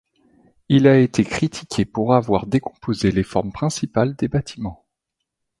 Il a été critiqué pour avoir décomposé les formes principales des bâtiments.